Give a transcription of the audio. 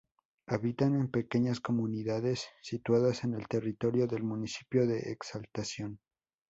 Habitan en pequeñas comunidades situadas en el territorio del municipio de Exaltación.